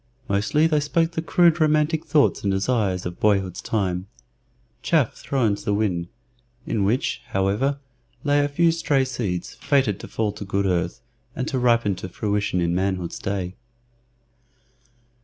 Mostly they spoke the crude romantic thoughts and desires of boyhood's time chaff thrown to the wind, in which, however, lay a few stray seeds, fated to fall to good earth, and to ripen to fruition in manhood's day.